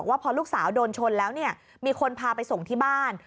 ว่าพอลูกสาวโดนชนแล้วเนี่ยมีคนพาไปส่งที่บ้าน